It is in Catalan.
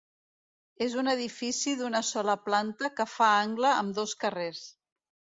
És un edifici d'una sola planta que fa angle amb dos carrers.